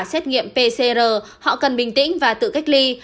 xét nghiệm pcr họ cần bình tĩnh và tự cách ly